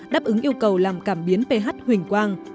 đáp ứng yêu cầu làm cảm biến ph huỳnh quang